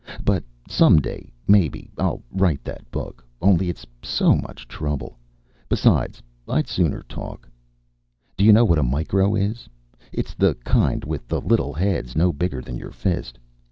But some day, mebbe, I'll write that book. Only it's so much trouble. Besides, I'd sooner talk. Do you know what a micro is? It's the kind with the little heads no bigger than your fist.